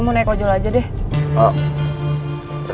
ini adalah satu kesalahan yang saya lakukan